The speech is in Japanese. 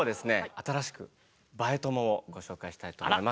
新しくＢＡＥ友をご紹介したいと思います。